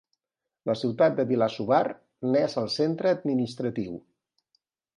La ciutat de Bilasuvar n'és el centre administratiu.